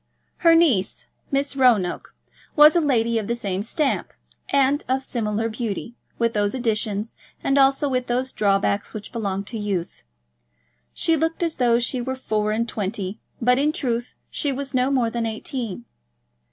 Her niece, Miss Roanoke, was a lady of the same stamp, and of similar beauty, with those additions and also with those drawbacks which belong to youth. She looked as though she were four and twenty, but in truth she was no more than eighteen.